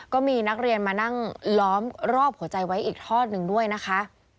ก็มีนักเรียนมานั่งล้อมรอบหัวใจไว้อีกทอดหนึ่งด้วยนะคะ